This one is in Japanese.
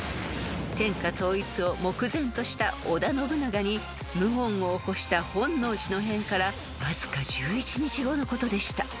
天下統一を目前とした織田信長に謀反を起こした本能寺の変からわずか１１日後のことでした］